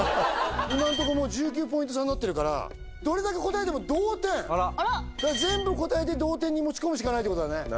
今んとこもう１９ポイント差になってるからだから全部答えて同点に持ち込むしかないってことだね